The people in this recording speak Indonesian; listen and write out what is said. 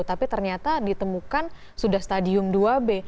tapi ternyata ditemukan sudah stadium dua b